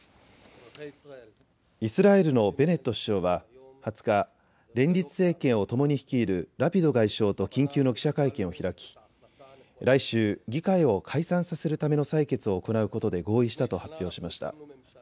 イスラエルのベネット首相は２０日、連立政権をともに率いるラピド外相と緊急の記者会見を開き来週、議会を解散させるための採決を行うことで合意したと発表しました。